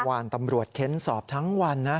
วานตำรวจเค้นสอบทั้งวันนะ